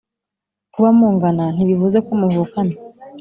Kuba mungana ntibivuzeko muvukana